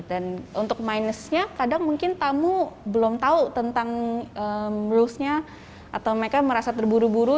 dan untuk minusnya kadang mungkin tamu belum tahu tentang rulesnya atau mereka merasa terburu buru